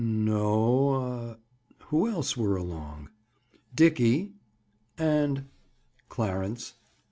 "No a." "Who else were along?" "Dickie—" "And—?" "Clarence."